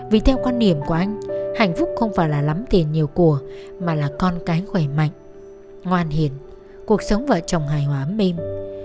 vì theo quan điểm của anh hạnh phúc không phải là lắm tiền nhiều của mà là con cái khỏe mạnh ngoan hiền cuộc sống vợ chồng hài hóa mềm